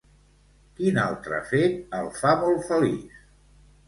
Quin altre fet el fa molt feliç?